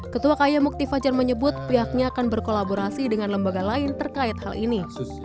ketua kaya mukti fajar menyebut pihaknya akan berkolaborasi dengan lembaga lain terkait hal ini